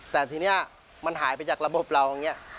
แต่ทีนี้มันหายไปจากระบบเราอย่างนี้